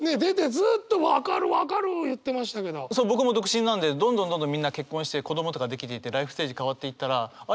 そう僕も独身なんでどんどんどんどんみんな結婚して子供とかできていってライフステージ変わっていったらあれ？